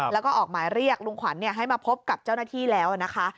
แล้วก็ออกหมายเรียกลุงขวัญให้มาพบกับเจ้าหน้าที่แล้วนะคะ